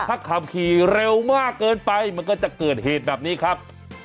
ถ้าขับขี่เร็วมากเกินไปมันก็จะเกิดเหตุแบบนี้ครับ